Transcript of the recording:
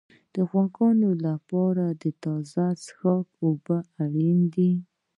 د غواګانو لپاره تازه څښاک اوبه اړین دي.